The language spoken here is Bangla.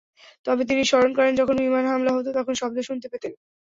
তবে তিনি স্মরণ করেন, যখন বিমান হামলা হতো, তখন শব্দ শুনতে পেতেন।